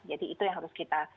jadi itu yang harus kita